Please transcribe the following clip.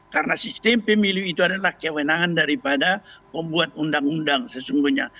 karena sistem pemilu itu adalah kewenangan daripada pembuat undang undang sesungguhnya